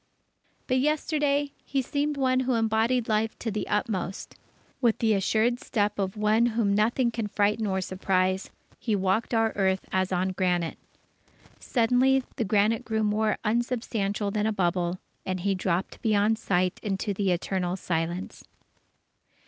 But yesterday, he seemed one who embodied Life to the utmost. With the assured step of one whom nothing can frighten or surprise, he walked our earth as on granite. Suddenly, the granite grew more unsubstantial than a bubble, and he dropped beyond sight into the Eternal Silence.